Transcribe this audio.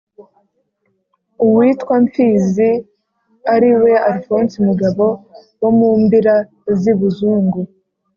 Uwitwa Mfizi ari we AlfonsiMugabo wo mu mbira z'i Buzungu